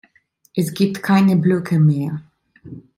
Es gibt keine Blöcke mehr.